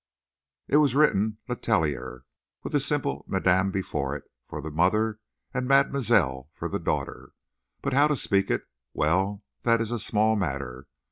It is written Letellier, with a simple Madame before it for the mother, and Mademoiselle for the daughter, but how to speak it well, that is a small matter.